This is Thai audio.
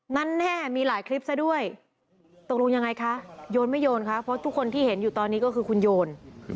งั้นแหละมีหลายคริปซะด้วยตรงรูปยังไงคะโยนยังไงนะคะเพราะทุกคนที่เห็นอยู่ตอนนี้ก็คือคุณโยน